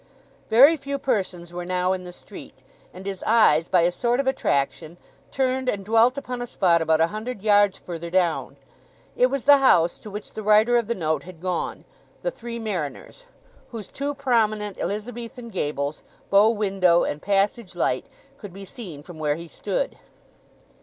Very few persons were now in the street; and his eyes, by a sort of attraction, turned and dwelt upon a spot about a hundred yards further down. It was the house to which the writer of the note had gone—the Three Mariners—whose two prominent Elizabethan gables, bow window, and passage light could be seen from where he stood.